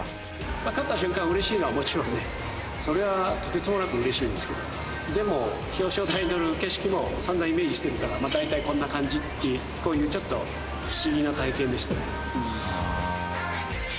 勝った瞬間嬉しいのはもちろんねそれはとてつもなく嬉しいんですけどでも表彰台に乗る景色も散々イメージしてるからまあ大体こんな感じってこういうちょっと不思議な体験でしたね。